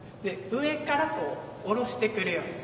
上からこう下ろしてくるように。